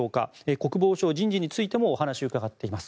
国防相人事についてもお話を伺っています。